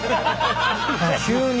急に。